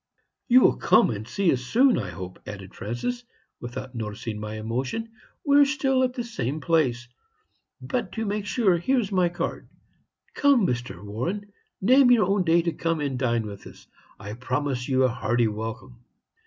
"'You will come and see us soon, I hope,' added Francis, without noticing my emotion. 'We are still at the same place; but to make sure, here is my card. Come, Mr. Warren name your own day to come and dine with us. I promise you a hearty welcome.'